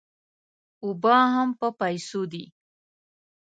اوبه هم په پیسو دي.